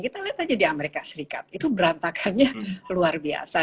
kita lihat saja di amerika serikat itu berantakannya luar biasa